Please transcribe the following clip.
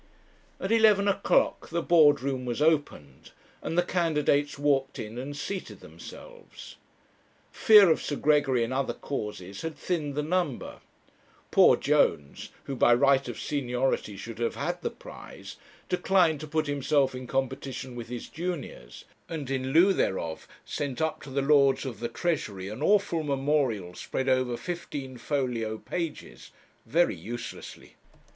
At eleven o'clock the Board room was opened, and the candidates walked in and seated themselves. Fear of Sir Gregory, and other causes, had thinned the number. Poor Jones, who by right of seniority should have had the prize, declined to put himself in competition with his juniors, and in lieu thereof sent up to the Lords of the Treasury an awful memorial spread over fifteen folio pages very uselessly.